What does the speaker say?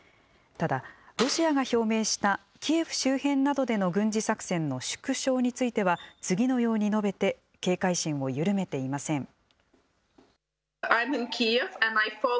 ただロシアが表明したキエフ周辺などでの軍事作戦の縮小については次のように述べて警戒心を緩めていません。